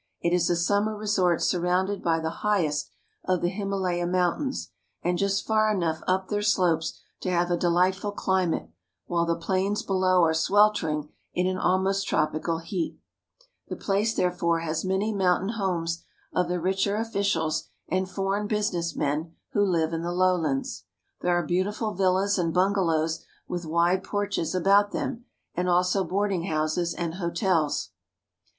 It is a summer re sort surrounded by the highest of the Himalaya Moun tains, and just far enough up their slopes to have a delightful climate, while the plains below are sweltering in an almost tropical heat. The place, therefore, has many '* Sometimes a mother has her baby tied to her back." IN THE HEART OF THE HIMALAYA MOUNTAINS 305 mountain homes of the richer officials and foreign business men who live in the lowlands. There are beautiful villas and bungalows with wide porches about them, and also boarding houses and hotels.